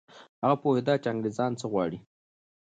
هغه پوهېده چي انګریزان څه غواړي.